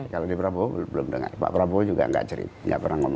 kalau di prabowo belum dengar pak prabowo juga nggak cerit nggak pernah ngomong itu